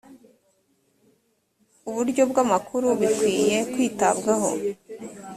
uburyo bw amakuru bukwiye kwitabwaho